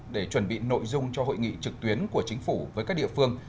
để chuẩn bị nội dung cho hội nghị trực tuyến của chính phủ với các địa phương